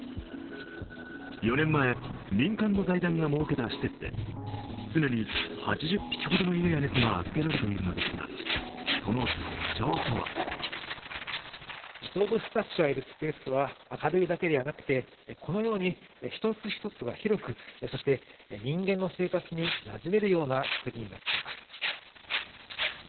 ４年前、民間の財団が設けた施設で常に８０匹ほどの犬や猫が預けられているのですがその特徴とは動物たちがいるスペースは明るいだけではなくて、このように１つ１つが広く、人間の生活になじめるような造りになっています。